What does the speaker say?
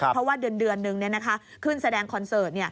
เพราะว่าเดือนนึงขึ้นแสดงคอนเสิร์ต